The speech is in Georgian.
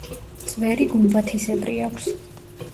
წვერი გუმბათისებრი აქვს.